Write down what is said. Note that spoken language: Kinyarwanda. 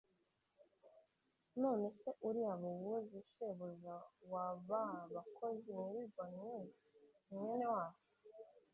none se uriya bowozi, shebuja wa ba bakozi mwiriranywe, si mwene wacu